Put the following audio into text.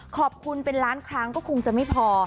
ขอบคุณเป็นล้านครั้งก็คงจะไม่พอ